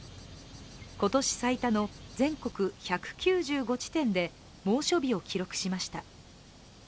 今年最多の全国１９５地点で猛暑日を記録しました。